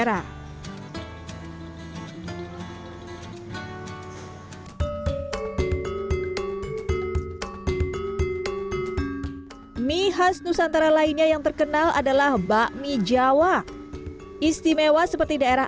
hai mi khas nusantara lainnya yang terkenal adalah bakmi jawa istimewa seperti daerah